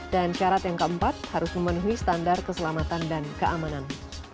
dan syarat yang keempat harus memenuhi standar keselamatan dan keamanan